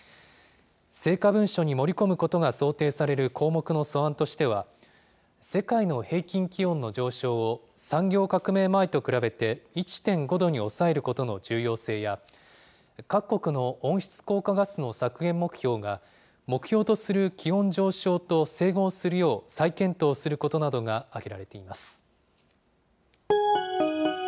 成果文書に盛り込むことが想定される項目の素案としては、世界の平均気温の上昇を産業革命前と比べて、１．５度に抑えることの重要性や、各国の温室効果ガスの削減目標が、目標とする気温上昇と整合するよう再検討することなどが挙げられています。